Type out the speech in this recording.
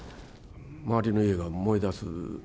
周りの家が燃え出す。